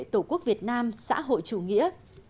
tổ quốc việt nam xã hội chủ nghĩa